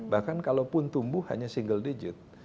bahkan kalau pun tumbuh hanya single digit